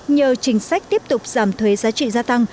nhờ chính sách tiếp tục giảm thuế giá trị gia tăng